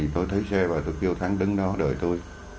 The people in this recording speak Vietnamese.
tôi thấy xe và tôi kêu thắng đứng đó đời tôi